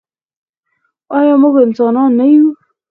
آیا موږ انسانان نه یو؟